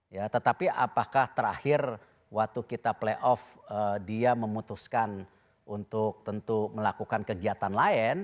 ya tetapi apakah terakhir waktu kita playoff dia memutuskan untuk tentu melakukan kegiatan lain